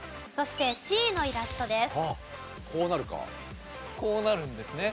そしてＣのイラストです。